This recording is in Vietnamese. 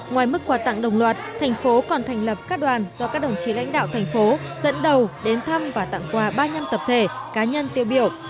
ngoài mức quà tặng đồng loạt thành phố còn thành lập các đoàn do các đồng chí lãnh đạo thành phố dẫn đầu đến thăm và tặng quà ba nhâm tập thể cá nhân tiêu biểu